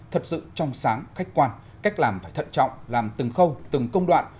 thật sự trong sáng khách quan cách làm phải thận trọng làm từng khâu từng công đoạn